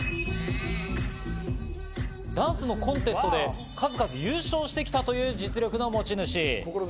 ダンスのコンテストで、数々優勝してきたという実力の持ち主。